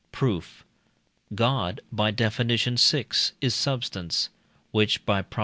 Proof. God (by Def. vi.) is substance, which (by Prop.